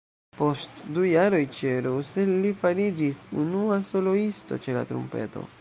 Post du jaroj ĉe Russell li fariĝis unua soloisto ĉe la trumpeto.